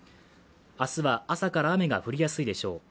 明日は朝から雨が降りやすいでしょう。